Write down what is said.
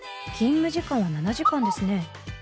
勤務時間は７時間ですね。